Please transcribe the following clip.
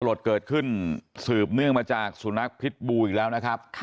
เกิดขึ้นสืบเนื่องมาจากสุนัขพิษบูอีกแล้วนะครับ